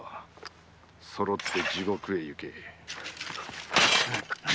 そろって地獄へ行け。